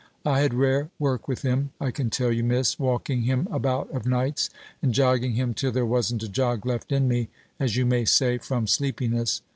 I had rare work with him, I can tell you, Miss, walking him about of nights, and jogging him till there wasn't a jog left in me, as you may say, from sleepiness.